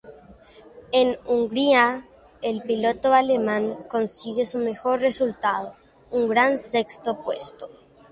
En Hungría, el piloto alemán consigue su mejor resultado, un gran sexto puesto.